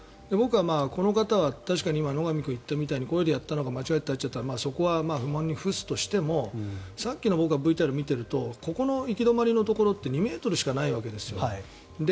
僕はこの方は野上君が言ったように故意でやったのかどうなのかそこは不問に付すとしてもさっきのＶＴＲを見ているとここの行き止まりのところって２ｍしかないわけですよ。